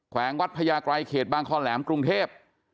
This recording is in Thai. วงวัดพญาไกรเขตบางคอแหลมกรุงเทพ